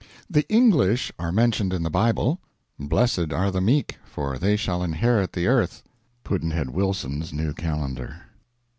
The English are mentioned in the Bible: Blessed are the meek, for they shall inherit the earth. Pudd'nhead Wilson's New Calendar.